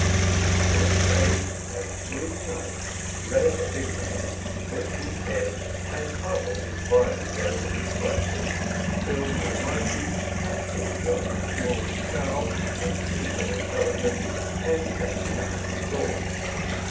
Three days and three nights Reb Binyomin split his head and puzzled his brains over these questions, till the Almighty had pity on his small skull and feeble intelli gence, and sent him a happy thought.